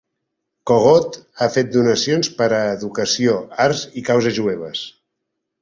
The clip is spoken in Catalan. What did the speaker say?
Kogod ha fet donacions per a educació, art i causes jueves.